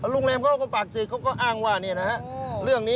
โรงแรมเขาก็ปักใช่เขาก็อ้างว่าเนี่ยนะฮะ